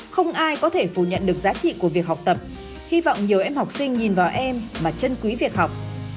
không ai có thể phủ nhận được giá trị của việc học tập hy vọng nhiều em học sinh nhìn vào em mà chân quý việc học